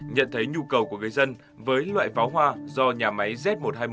nhu cầu của người dân với loại pháo hoa do nhà máy z một trăm hai mươi một